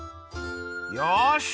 よし！